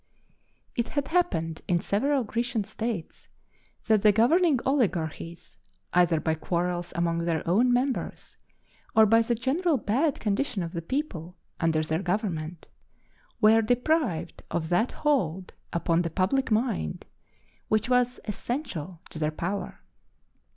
It had happened in several Grecian states that the governing oligarchies, either by quarrels among their own members or by the general bad condition of the people under their government, were deprived of that hold upon the public mind which was essential to their power.